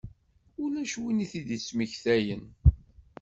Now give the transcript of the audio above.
Ulac win i d-ittmektayen.